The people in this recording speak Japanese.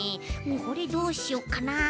これどうしよっかな。